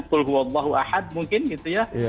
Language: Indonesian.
kul huwadahu ahad mungkin gitu ya